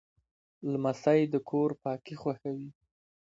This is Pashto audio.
لمسی د کور پاکي خوښوي.